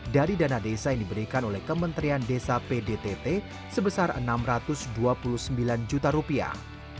dari dana desa yang diberikan oleh kementerian desa pdtt sebesar enam ratus dua puluh sembilan juta rupiah